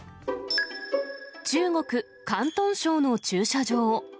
中国・広東省の駐車場。